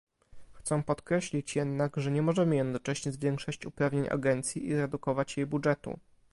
Chcę podkreślić jednak, że nie możemy jednocześnie zwiększać uprawnień agencji i redukować jej budżetu